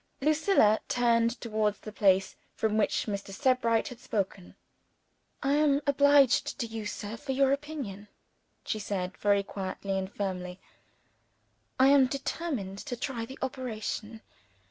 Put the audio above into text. Lucilla turned towards the place from which Mr. Sebright had spoken. "I am obliged to you, sir, for your opinion," she said, very quietly and firmly. "I am determined to try the operation.